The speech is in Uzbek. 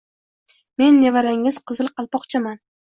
— Men nevarangiz Qizil Qalpoqchaman